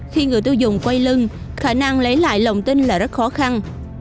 khi người tiêu dùng quay lưng khả năng lấy lại lòng tin là rất khó khăn